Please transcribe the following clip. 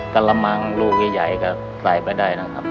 กระมังลูกใหญ่ก็ใส่ไปได้นะครับ